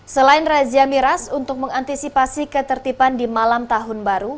selain razia miras untuk mengantisipasi ketertiban di malam tahun baru